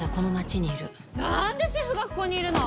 何でシェフがここにいるの？